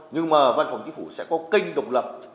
nhưng mà văn phòng chính phủ sẽ có kênh độc lập